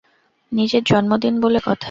নিজের জন্মদিন বলে কথা।